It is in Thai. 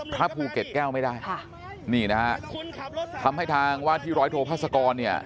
พระภูเก็ตแก้วไม่ได้ค่ะนี่นะฮะทำให้ทางว่าที่ร้อยโทพัศกรเนี่ย